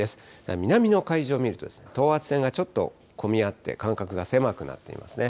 南の海上を見ると、等圧線がちょっと混み合って、間隔が狭くなっていますね。